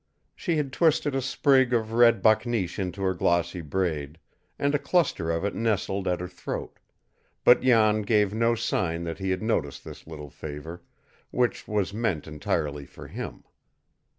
She had twisted a sprig of red bakneesh into her glossy braid, and a cluster of it nestled at her throat, but Jan gave no sign that he had noticed this little favor, which was meant entirely for him.